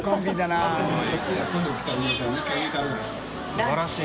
すばらしい。